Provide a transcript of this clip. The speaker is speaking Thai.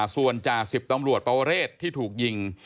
ส่วนจ่าสิบตำรวจปวเรศที่ถูกยิง